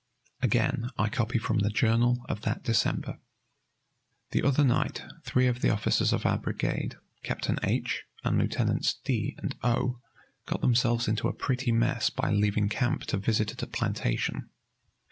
Again I copy from the journal of that December: "The other night three of the officers of our brigade, Captain H and Lieutenants D and O got themselves into a pretty mess by leaving camp to visit at a plantation.